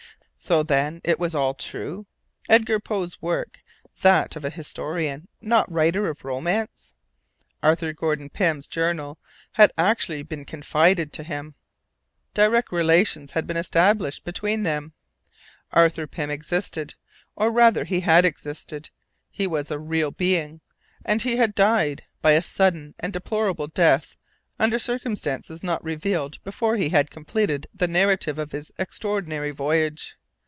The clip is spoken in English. So then it was all true? Edgar Poe's work was that of an historian, not a writer of romance? Arthur Gordon Pym's journal had actually been confided to him! Direct relations had been established between them! Arthur Pym existed, or rather he had existed, he was a real being! And he had died, by a sudden and deplorable death under circumstances not revealed before he had completed the narrative of his extraordinary voyage.